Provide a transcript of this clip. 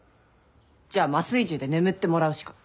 じゃあ麻酔銃で眠ってもらうしか。